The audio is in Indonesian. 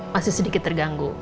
masih sedikit terganggu